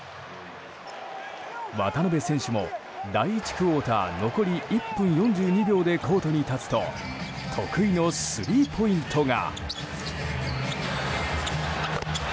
渡邊選手も第１クオーター残り１分４２秒でコートに立つと得意のスリーポイントが。